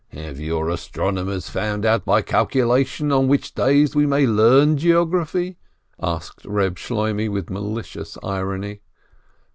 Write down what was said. "Have your 'astronomers' found out by calculation on which days we may learn geography?" asked Eeb Shloimeh, with malicious irony.